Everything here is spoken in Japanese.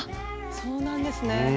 そうなんですね。